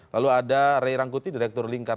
lalu ada rey rangkuti direktur linkar